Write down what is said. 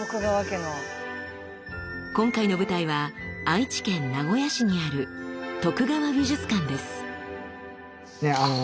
今回の舞台は愛知県名古屋市にある徳川美術館です。